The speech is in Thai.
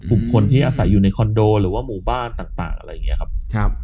บุคคลที่อาศัยอยู่ในคอนโดหรือว่าหมู่บ้านต่างอะไรอย่างนี้ครับ